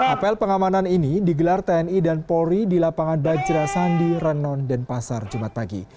apel pengamanan ini digelar tni dan polri di lapangan bajra sandi renon denpasar jumat pagi